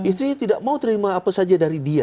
istri tidak mau terima apa saja dari dia